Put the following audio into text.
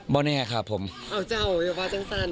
บอกแน่ครับผมอ้าวเจ้าอย่ามาจังพัน